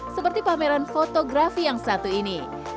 seperti pameran fotografi yang satu ini